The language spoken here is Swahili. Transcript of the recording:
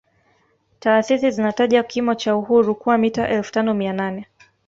Taasisi zinataja kimo cha Uhuru kuwa mita elfu tano mia nane